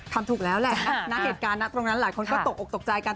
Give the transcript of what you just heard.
ทำถูกแล้วแหละนะเหตุการณ์นะตรงนั้นหลายคนก็ตกออกตกใจกัน